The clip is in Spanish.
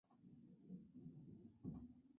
Colinda al sur con Finlandia.